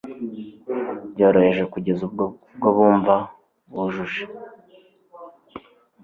byoroheje kugeza ubwo bumva bujuje